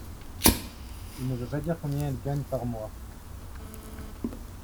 Il ne veut pas dire combien il gagne par mois.